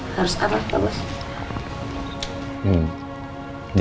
harus apa pak bos